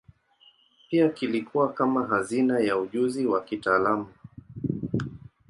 Pia kilikuwa kama hazina ya ujuzi wa kitaalamu.